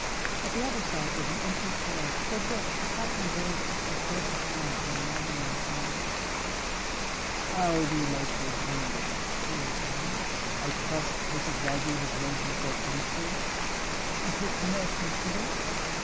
At the other side was an empty chair, toward which the captain waved his persuasive hand when Magdalen came in. "How do you like your room?" he inquired; "I trust Mrs. Wragge has made herself useful? You take milk and sugar?